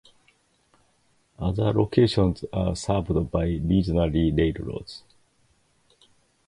Other locations are served by regional railroads.